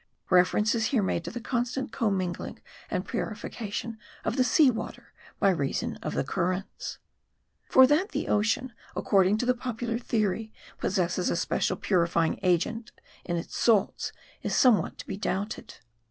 Reference is here made to the constant commingling and purification of the sea water by reason of the currents. For, that the ocean, according to the popular theory, possesses a special purifying agent in its salts, is somewhat to be doubted.